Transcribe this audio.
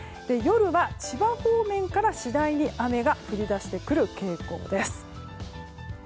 夜は千葉方面から次第に雨が降り出してくる傾向です。